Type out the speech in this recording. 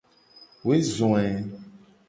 Woe zo e.